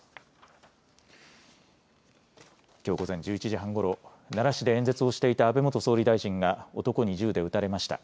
きょう午前１１時半ごろ奈良市で演説をしていた安倍元総理大臣が男に銃で撃たれました。